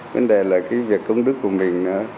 vấn đề là cái việc công đức của mình